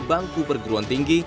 bangku perguruan tinggi